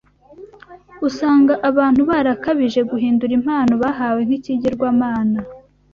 Usanga abantu barakabije guhindura impano bahawe nk’ikigirwamana